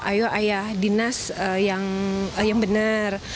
ayo ayah dinas yang benar